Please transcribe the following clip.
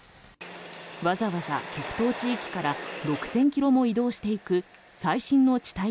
わざわざ極東地域から６０００ｋｍも移動していく最新の地